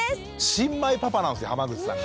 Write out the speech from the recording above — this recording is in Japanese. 新米パパなんですよ濱口さんが。